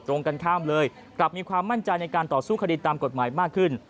ตรงกันข้ามเลยกลับมีความมั่นใจในการต่อสู้คดีตามกฎหมายมากขึ้น